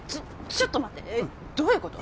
ちょっと待ってどういうこと？